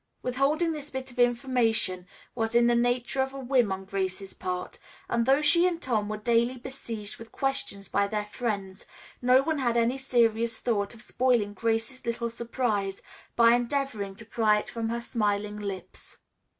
Withholding this bit of information was in the nature of a whim on Grace's part, and though she and Tom were daily besieged with questions by their friends, no one had any serious thought of spoiling Grace's little surprise by endeavoring to pry it from her smiling lips.